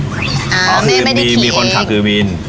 อ๋อแม่ไม่ได้ขี่เองอ๋อคือมีคนค่ะคือวิน